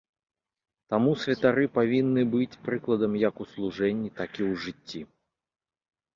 Таму святары павінны быць прыкладам як у служэнні, так і ў жыцці.